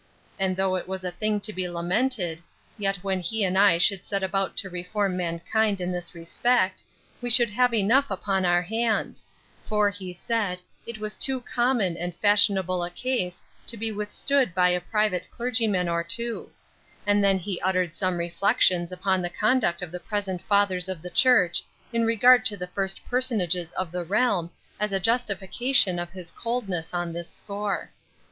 And though it was a thing to be lamented, yet when he and I should set about to reform mankind in this respect, we should have enough upon our hands; for, he said, it was too common and fashionable a case to be withstood by a private clergyman or two: and then he uttered some reflections upon the conduct of the present fathers of the church, in regard to the first personages of the realm, as a justification of his coldness on this score.